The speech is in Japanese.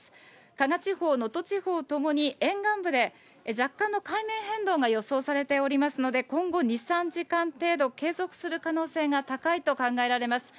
加賀地方、能登地方ともに沿岸部で若干の海面変動が予想されておりますので、今後２、３時間程度、継続する可能性が高いと考えられます。